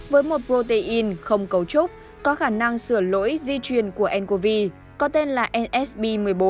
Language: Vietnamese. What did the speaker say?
với một protein không cấu trúc có khả năng sửa lỗi di truyền của ncov có tên là msb một mươi bốn